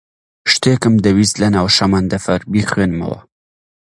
شتێکم دەویست لەناو شەمەندەفەر بیخوێنمەوە.